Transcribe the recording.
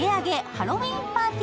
ハロウィーン・パーティ